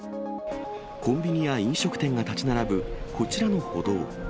コンビニや飲食店が建ち並ぶこちらの歩道。